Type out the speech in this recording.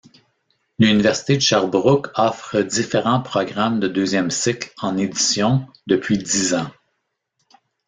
L'Université de Sherbrooke offre différents programmes de deuxième cycle en édition depuis dix ans.